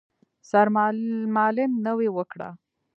سرمالم نوې وکړه.